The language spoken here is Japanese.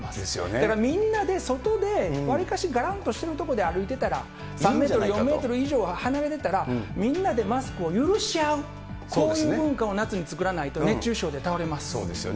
だからみんなで、外でわりかしがらんとしている所で歩いてたら、３メートル、４メートル以上、離れてたら、みんなでマスクを許し合う、こういう文化を夏に作らそうですよね。